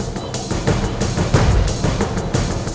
แต่หน้าครั้งนี้